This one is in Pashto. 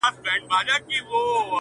نه پر مځکه چا ته گوري نه اسمان ته!